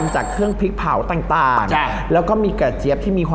อร่อยเชียบแน่นอนครับอร่อยเชียบแน่นอนครับ